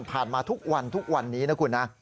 ผ่านมาทุกวันนี้นะคุณนะ